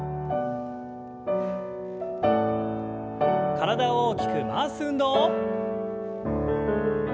体を大きく回す運動。